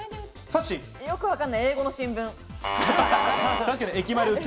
よくわかんない英語の新聞。